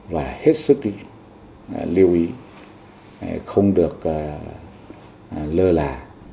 và hết sức lưu ý không được lơ là